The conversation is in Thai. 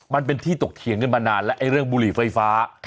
มันเป็นที่ตกเถียงกันมานานแล้วไอ้เรื่องบุหรี่ไฟฟ้า